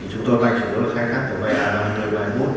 chúng tôi bành xuống khai thác tàu bay là nơi bài mốt với đường bay